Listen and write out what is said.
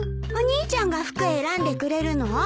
お兄ちゃんが服選んでくれるの？